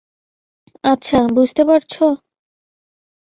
আচ্ছা, বুঝতে পারছো?